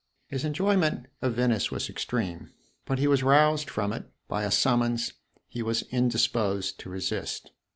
His enjoyment of Venice was extreme, but he was roused from it by a summons he was indisposed to resist.